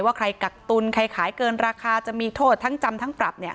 ว่าใครกักตุลใครขายเกินราคาจะมีโทษทั้งจำทั้งปรับเนี่ย